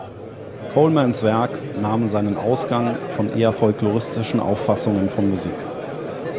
Colemans Werk nahm seinen Ausgang von eher folkloristischen Auffassungen von Musik.